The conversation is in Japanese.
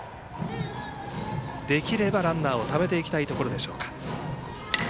できればランナーをためていきたいところでしょうか。